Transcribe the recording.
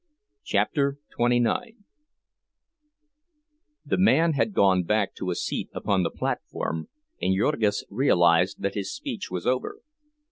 CHAPTER XXIX The man had gone back to a seat upon the platform, and Jurgis realized that his speech was over.